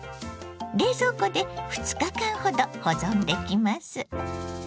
冷蔵庫で２日間ほど保存できます。